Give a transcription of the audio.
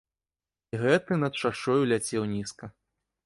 І гэты над шашою ляцеў нізка.